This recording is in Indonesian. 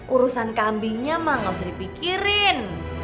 urusan kambingnya mah gak usah dipikirin